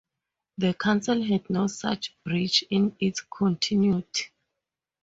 The Council had no such breach in its continuity.